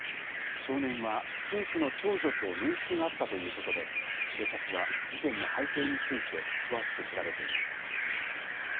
少年は夫婦の長女と面識があったということで、警察は事件の背景について詳しく調べています。